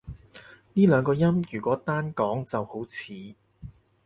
呢兩個音如果單講就好似